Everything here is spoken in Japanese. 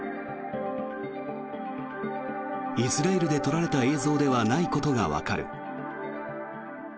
イスラエルで撮られた映像ではないことがわかる。